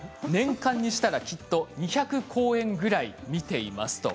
年間にしたら、きっと２００公演ぐらい見てます。